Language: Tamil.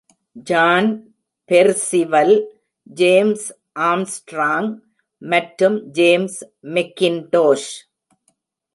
ஜான் பெர்சிவல், ஜேம்ஸ் ஆம்ஸ்ட்ராங் மற்றும் ஜேம்ஸ் மெக்கின்டோஷ்.